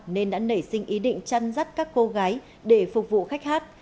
nên đã nảy sinh ý định chăn rắt các cô gái để phục vụ khách hát